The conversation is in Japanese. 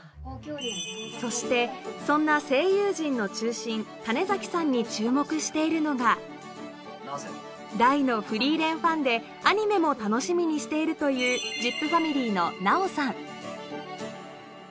そしてそんな声優陣の中心種さんに注目しているのが大のフリーレンファンでアニメも楽しみにしているというですし。